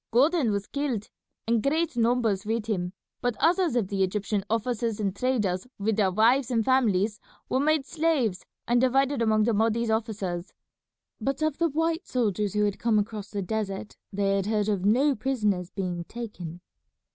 "Gordon was killed, and great numbers with him; but others of the Egyptian officers and traders with their wives and families were made slaves and divided among the Mahdi's officers. But of the white soldiers who had come across the desert, they had heard of no prisoners being taken."